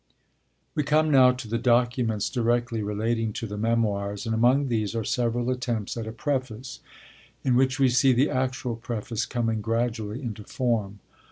III We come now to the documents directly relating to the Memoirs, and among these are several attempts at a preface, in which we see the actual preface coming gradually into form.